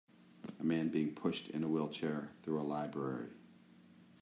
A man being pushed in a wheelchair through a library.